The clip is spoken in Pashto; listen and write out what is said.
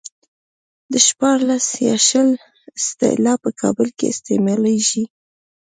د شپاړس يا شل اصطلاح په کابل کې استعمالېږي.